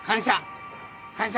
感謝。